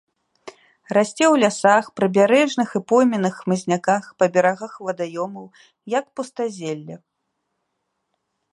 Расце ў лясах, прыбярэжных і пойменных хмызняках, па берагах вадаёмаў, як пустазелле.